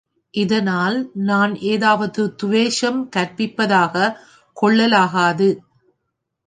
இதனால் நான் ஏதாவது துவேஷம் கற்பிப்பதாகக் கொள்ளலாகாது.